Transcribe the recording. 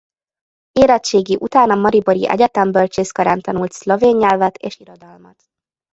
Érettségi után a maribori egyetem bölcsészkarán tanult szlovén nyelvet és irodalmat.